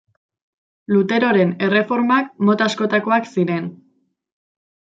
Luteroren erreformak mota askotakoak ziren.